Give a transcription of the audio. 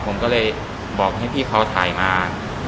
ผมก็เลยบอกให้พี่เขาถ่ายงาน